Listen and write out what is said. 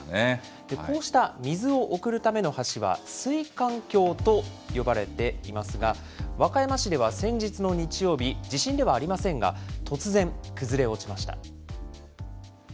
こうした水を送るための橋は、水管橋と呼ばれていますが、和歌山市では先日の日曜日、地震ではありませんが、突然、崩れ落ちました。